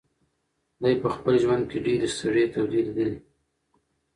دی په خپل ژوند کې ډېرې سړې تودې لیدلي.